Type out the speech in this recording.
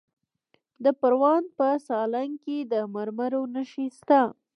د پروان په سالنګ کې د مرمرو نښې شته.